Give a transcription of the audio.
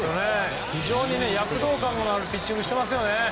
非常に躍動感のあるピッチングしてますよね。